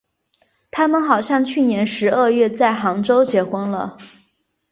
他们好像去年十二月在杭州结婚了。